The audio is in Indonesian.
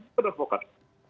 itu adalah advokat